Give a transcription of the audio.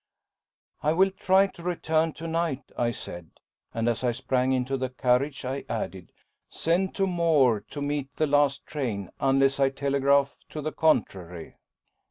"I will try to return to night," I said. And as I sprang into the carriage I added: "Send to Moore to meet the last train, unless I telegraph to the contrary."